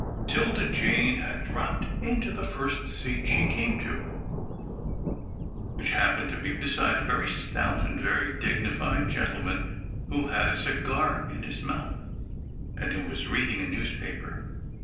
'Tilda Jane had dropped into the first seat she came to, which happened to be beside a very stout and very dignified gentleman who had a cigar in his mouth, and who was reading a newspaper.